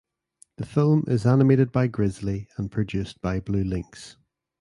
The film is animated by Grizzly and produced by Blue Lynx.